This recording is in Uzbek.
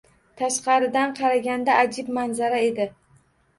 Tashqaridan qaraganda ajib manzara edi